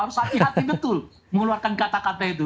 harus hati hati betul mengeluarkan kata kata itu